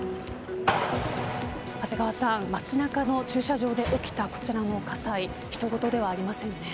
長谷川さん街中の駐車場で起きたこちらの火災ひと事ではありませんね。